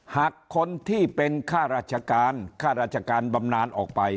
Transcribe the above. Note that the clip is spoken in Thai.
หากคนที่เป็นข้าราชการบำนานออกไป